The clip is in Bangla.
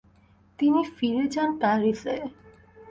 তিনি ফিরে যান প্যারিসে।